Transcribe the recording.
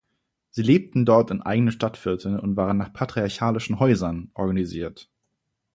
Sie lebten dort in eigenen Stadtvierteln und waren nach patriarchalischen "Häusern" organisiert.